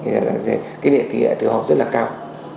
thì cái điện thì tự hợp rất là cao